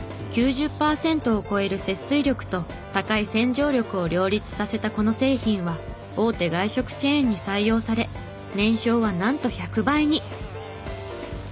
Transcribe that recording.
９０パーセントを超える節水力と高い洗浄力を両立させたこの製品は大手外食チェーンに採用され年商はなんと１００倍に！